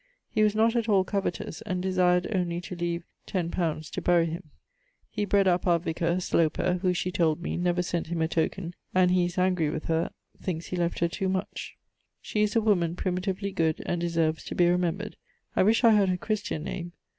He was not at all covetous, and desired only to leave x li. to bury him. He bred up our vicar, [Sloper], who, she told me, never sent him a token; and he is angry with her, thinks he left her too much. She is a woman primitively good, and deserves to be remembred. I wish I had her Christian name.